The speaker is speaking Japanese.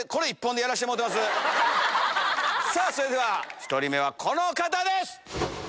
さぁそれでは１人目はこの方です！